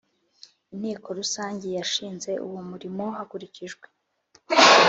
Inteko Rusange yashinze uwo murimo hakurikijwe